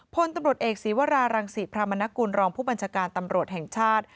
พลตำรวจเอกศีวรารังศิพรามนกุลรองผู้บัญชาการตำรวจแห่งชาติ